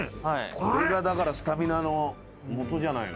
これがだからスタミナのもとじゃないの？